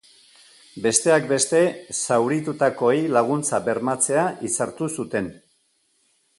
Besteak beste zauritutakoei laguntza bermatzea hitzartu zuten.